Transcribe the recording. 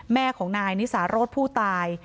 แม่ของนายนิสาโรธผู้ตาย